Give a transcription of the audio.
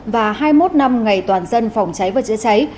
và hai mươi một năm ngày toàn dân phòng cháy và chữa cháy